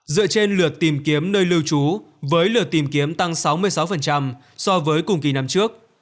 dựa trên lượt tìm kiếm nơi lưu trú với lượt tìm kiếm tăng sáu mươi sáu so với cùng kỳ năm trước